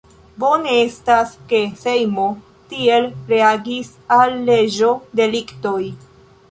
Bone estas, ke Sejmo tiel reagis al leĝo-deliktoj.